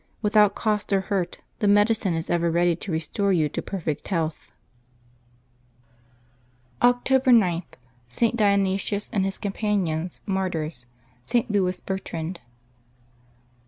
Without cost or hurt, the medicine is ever ready to restore you to perfect health.^' October g.— ST. DIONYSIUS and his Companions, Martyrs.— ST. LOUIS BERTRAND.